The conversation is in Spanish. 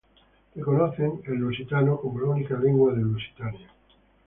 Reconocen el lusitano como la única lengua de Lusitania.